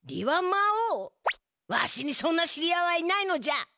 わしにそんな知り合いはいないのじゃ！